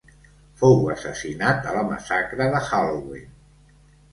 Fou assassinat a la massacre de Halloween.